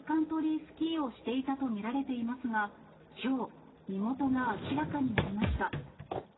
スキーをしていたと見られていますが、きょう、身元が明らかになりました。